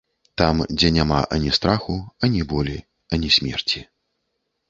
Там, дзе няма ані страху, ані болю, ані смерці.